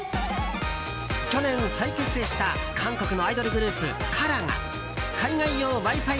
去年、再結成した韓国のアイドルグループＫＡＲＡが海外用Ｗｉ‐Ｆｉ